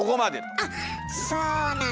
あっそうなんだ。